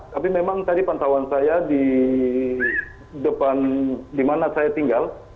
tapi memang dari pantauan saya di depan dimana saya tinggal